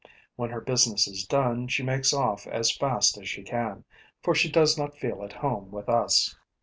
When her business is done, she makes off as fast as she can, for she does not feel at home with us.